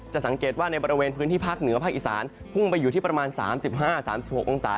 สังเกตว่าในบริเวณพื้นที่ภาคเหนือภาคอีสานพุ่งไปอยู่ที่ประมาณ๓๕๓๖องศา